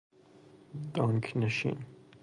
دنک نشین